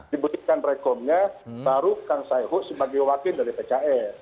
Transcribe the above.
diberikan rekomnya baru kang sayhu sebagai wakil dari pks